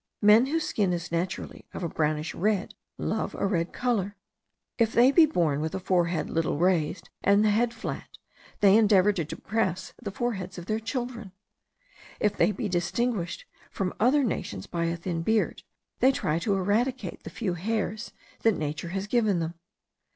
Men whose skin is naturally of a brownish red, love a red colour. If they be born with a forehead little raised, and the head flat, they endeavour to depress the foreheads of their children. If they be distinguished from other nations by a thin beard, they try to eradicate the few hairs that nature has given them.